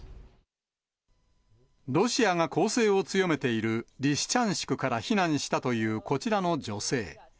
ロシアが攻勢を強めているリシチャンシクから避難したというこちらの女性。